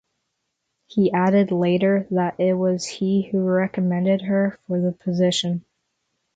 He added later that it was he who recommended her for the position.